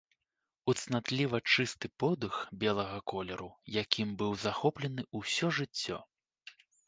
У цнатліва чысты подых белага колеру, якім быў захоплены ўсё жыццё.